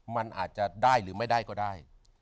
มันอาจจะได้หรือไม่ได้ก็ได้